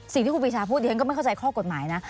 สิ่งที่ครูปรีชาพูดเดี๋ยวก็ไม่เข้าใจข้อกฎหมายนะ